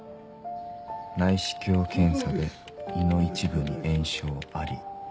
内視鏡検査で胃の一部に炎症あり。